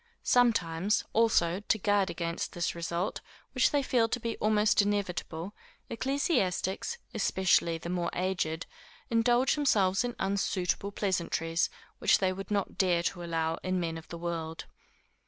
Sometimes, also, to guard against this result, which they feel to be almost inevitable, ecclesiastics, especially the more aged, indulge themselves in unsuitable pleasantries, which they would not dare to allow in men of the world.